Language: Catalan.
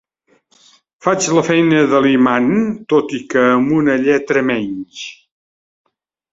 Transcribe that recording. Faig la feina de l'imant, tot i que amb una lletra menys.